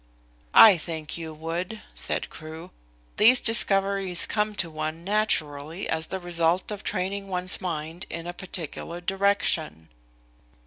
"I think you would," said Crewe. "These discoveries come to one naturally as the result of training one's mind in a particular direction."